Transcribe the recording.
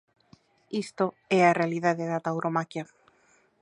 Isto é a realidade da tauromaquia.